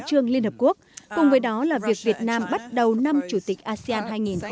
trương liên hợp quốc cùng với đó là việc việt nam bắt đầu năm chủ tịch asean hai nghìn hai mươi